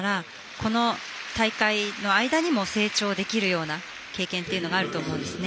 この大会の間にも成長できるような経験というのがあると思うんですね。